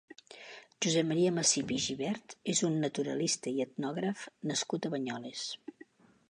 Josep Maria Massip i Gibert és un naturalista i etnògraf nascut a Banyoles.